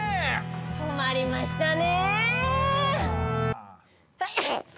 困りましたね。